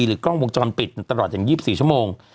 กล้องวงจรปิดตลอดอย่าง๒๔ชั่วโมง